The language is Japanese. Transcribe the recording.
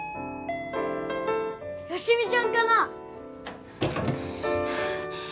好美ちゃんかな？